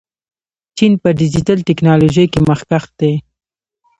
چین په ډیجیټل تکنالوژۍ کې مخکښ دی.